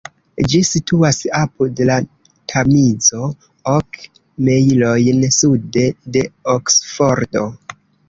Ĝi situas apud la Tamizo, ok mejlojn sude de Oksfordo.